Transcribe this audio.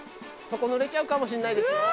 そこぬれちゃうかもしんないですよ！